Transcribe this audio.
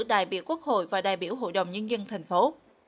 đại biểu quốc hội và đại biểu hội đồng nhân dân thành phố